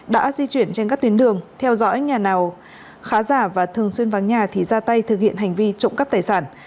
đã di chuyển trên các tuyến đường theo dõi nhà nào khá giả và thường xuyên vắng nhà thì ra tay thực hiện hành vi trộm cắp tài sản